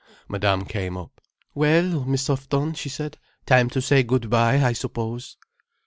Madame came up. "Well, Miss Houghton," she said, "time to say good bye, I suppose."